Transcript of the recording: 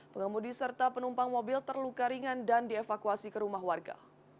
pengemudi serta penumpang mobil terluka ringan dan dievakuasi ke rumah warga